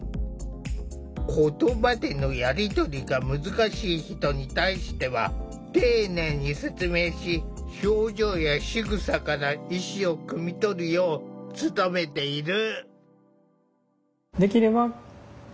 言葉でのやり取りが難しい人に対しては丁寧に説明し表情やしぐさから意思をくみ取るよう努めている。